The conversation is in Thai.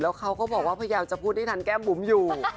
เขาก็บอกว่าพยายามจะพูดให้ทันแก้มบุ๋มอยู่